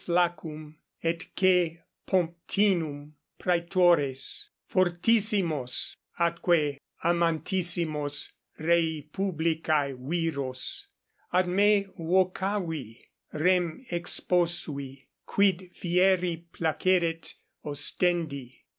Flaccum et C. Pomptinum 5 praetores, fortissimos atque amantissimos rei publicae viros, ad me vocavi, rem exposui, quid fieri placeret ostendi.